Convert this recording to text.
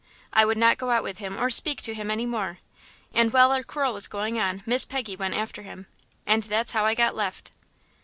I would not go out with him or speak to him any more; and while our quarrel was going on Miss Peggy went after him, and that's how I got left."